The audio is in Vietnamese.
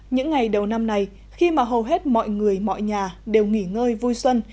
những ngày đầu năm này khi mà hầu hết mọi người mọi nhà đều nghỉ ngơi vui xuân